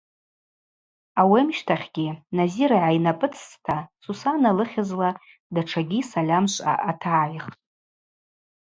Ауи амщтахьгьи Назир йгӏайнапӏыцӏцӏта, Сусана лыхьызла датшагьи сальамшвъа атагӏайхтӏ.